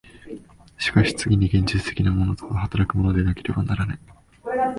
しかし次に現実的なものとは働くものでなければならぬ。